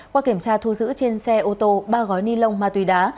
qua kiểm tra thu giữ trên xe ô tô ba gói ni lông ma túy đá